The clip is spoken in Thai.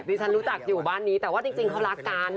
ฉันรู้จักอยู่บ้านนี้แต่ว่าจริงเขารักกัน